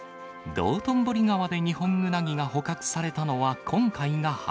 道頓堀川でニホンウナギが捕獲されたのは今回が初。